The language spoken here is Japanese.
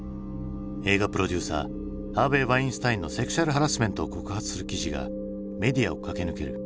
映画プロデューサーハーヴェイ・ワインスタインのセクシャルハラスメントを告発する記事がメディアを駆け抜ける。